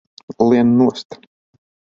Lien nost!